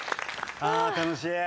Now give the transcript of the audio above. あ楽しい。